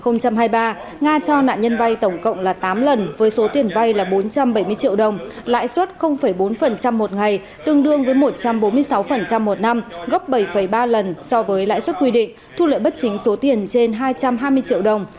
năm hai nghìn hai mươi ba nga cho nạn nhân vay tổng cộng là tám lần với số tiền vay là bốn trăm bảy mươi triệu đồng lãi suất bốn một ngày tương đương với một trăm bốn mươi sáu một năm gốc bảy ba lần so với lãi suất quy định thu lợi bất chính số tiền trên hai trăm hai mươi triệu đồng